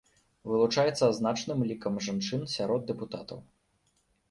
Вылучаецца значным лікам жанчын сярод дэпутатаў.